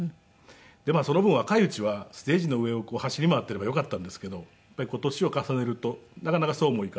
でまあその分若いうちはステージの上を走り回っていればよかったんですけど年を重ねるとなかなかそうもいかず。